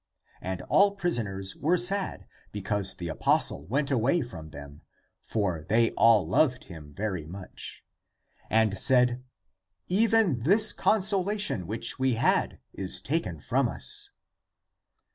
And all prisoners were sad because the apostle went away from them — for they all loved him very much — and said, " Even this consolation which we had is taken from us!"